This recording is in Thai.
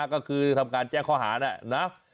ก็คือทำการแจ้งข้อหานะ